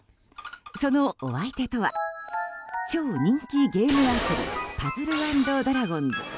そのお相手とは超人気ゲームアプリ「パズル＆ドラゴンズ」